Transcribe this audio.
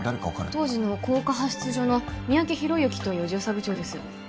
当時の江夏派出所の三宅宏之という巡査部長です